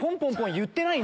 言ってないの？